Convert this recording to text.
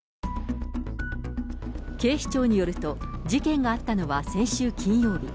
警視庁によると、事件があったのは先週金曜日。